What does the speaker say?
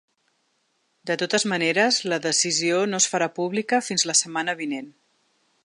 De totes maneres, la decisió no es farà pública fins la setmana vinent.